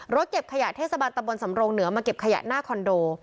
เก็บขยะเทศบาลตะบนสำรงเหนือมาเก็บขยะหน้าคอนโด